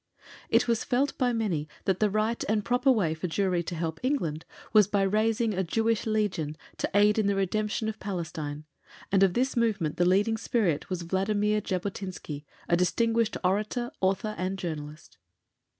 It was felt by many that the right and proper way for Jewry to help England was by raising a Jewish Legion to aid in the redemption of Palestine, and of this movement the leading spirit was Vladimir Jabotinsky, a distinguished orator, author, and journalist.